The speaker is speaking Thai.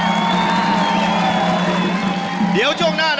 ไอ้กะถิ่นที่เตรียมไว้เนี่ยไม่ต้อง